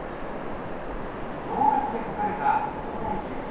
行書きで書かれた「蓬切」。